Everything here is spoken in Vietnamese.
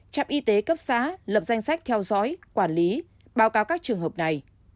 trạm y tế cấp xã lập danh sách theo dõi quản lý báo cáo các trường hợp này